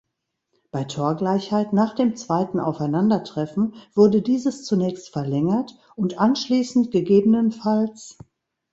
Bei Torgleichheit nach dem zweiten Aufeinandertreffen wurde dieses zunächst verlängert und anschließend ggf.